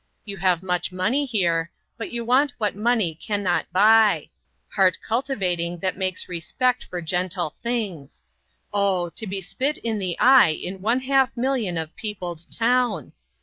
You have much money here, but you want what money can not buye heart cultivating that makes respect for gentle things. O! to be spit in the eye in one half million of peopled town.